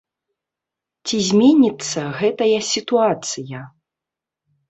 Ці зменіцца гэтая сітуацыя?